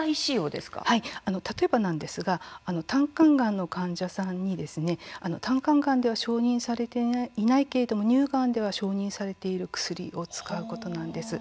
例えば、胆管がんの患者さんに胆管がんでは承認されていないけれど乳がんでは承認されている薬を使うことなんです。